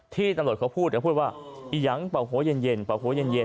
ที่ตำรวจเขาพูดเขาพูดว่าอียังป่าวโห้เย็นเย็นป่าวโห้เย็นเย็น